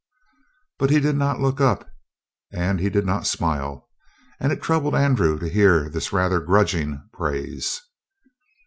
But he did not look up, and he did not smile. And it troubled Andrew to hear this rather grudging praise.